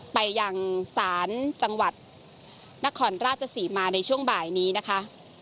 ไปยังศาลจังหวัดนครราชศรีมาในช่วงบ่ายนี้นะคะ